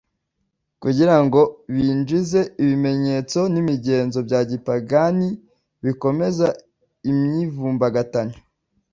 kugira ngo binjize ibimenyetso n'imigenzo bya gipagani bikongeza imyivumbagatanyo